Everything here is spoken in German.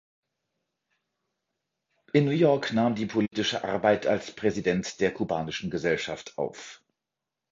In New York nahm die politische Arbeit als President der kubanischen Gesellschaft auf.